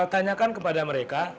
tanyakan kepada mereka